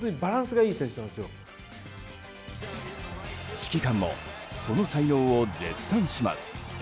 指揮官もその才能を絶賛します。